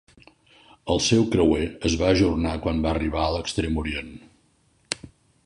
El seu creuer es va ajornar quan va arribar a l"Extrem Orient.